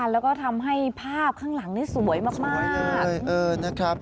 แล้วก็ทำให้ภาพข้างหลังนี้สวยมาก